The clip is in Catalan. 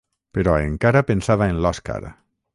Però encara pensava en l'Òscar.